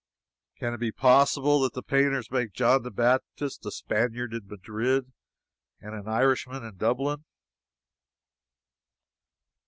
Can it be possible that the painters make John the Baptist a Spaniard in Madrid and an Irishman in Dublin?